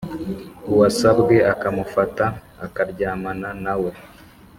uwasabwe akamufata akaryamana na we